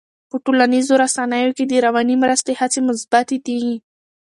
په ټولنیزو رسنیو کې د رواني مرستې هڅې مثبتې دي.